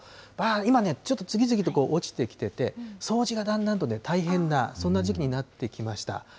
今、ちょっと次々と落ちてきてて、掃除がだんだんと大変な、そんな時期になってきました。